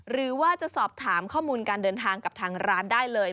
หรือว่าจะสอบถามข้อมูลการเดินทางกับทางร้านได้เลย